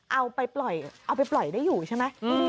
เอาไปปล่อยเอาไปปล่อยได้อยู่ใช่ไหม